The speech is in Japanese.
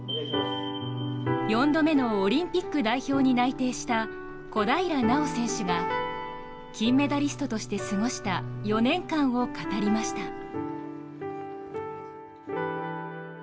４度目のオリンピック代表に内定した小平奈緒選手が金メダリストとして過ごした４年間を語りました。